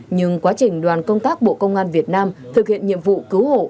nhưng quá trình đoàn công tác bộ công an việt nam thực hiện nhiệm vụ cứu hộ